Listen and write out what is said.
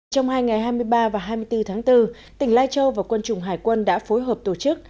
trong hai ngày hai mươi ba và hai mươi bốn tháng bốn tỉnh lai châu và quân chủng hải quân đã phối hợp tổ chức